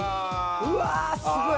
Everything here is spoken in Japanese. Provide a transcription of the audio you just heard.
うわーすごい！